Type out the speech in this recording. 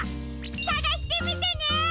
さがしてみてね！